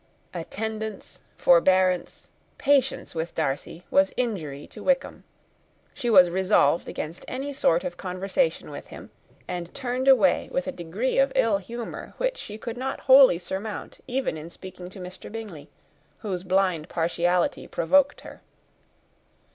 Attention, forbearance, patience with Darcy, was injury to Wickham. She was resolved against any sort of conversation with him, and turned away with a degree of ill humour which she could not wholly surmount even in speaking to Mr. Bingley, whose blind partiality provoked her.